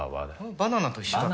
バナナと一緒だ。